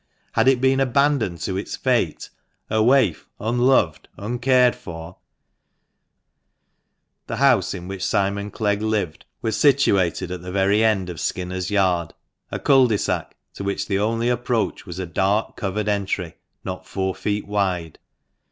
Had it been abandoned to its fate, a waif unloved, uncared for ? The house in which Simon Clegg lived was situated at the very end of Skinners' Yard, a cul de sac, to which the only approach was a dark, covered entry, not four feet wide.